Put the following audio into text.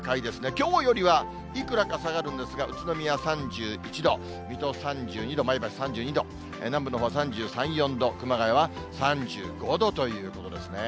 きょうよりはいくらか下がるんですが、宇都宮３１度、水戸３２度、前橋３２度、南部のほうは３３、４度、熊谷は３５度ということですね。